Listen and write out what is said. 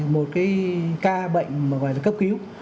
một cái ca bệnh mà gọi là cấp cứu